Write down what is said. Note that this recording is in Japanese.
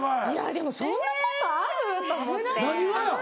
でもそんなことある？と思って何がや？